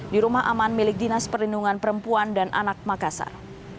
di rumah aman milik dinas perlindungan perempuan dan anak makassar